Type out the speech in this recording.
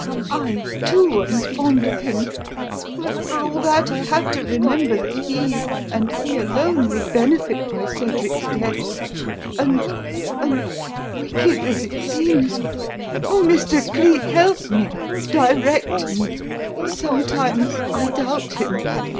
I, too, am fond of him. But, for all that, I have to remember that he and he alone would benefit by Cedric's death, and and wicked as it seems Oh, Mr. Cleek, help me! Direct me! Sometimes I doubt him.